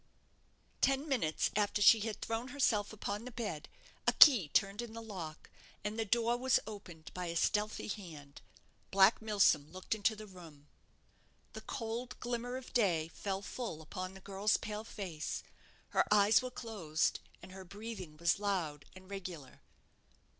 Ten minutes after she had thrown herself upon the bed, a key turned in the lock, and the door was opened by a stealthy hand. Black Milsom looked into the room. The cold glimmer of day fell full upon the girl's pale face. Her eyes were closed, and her breathing was loud and regular.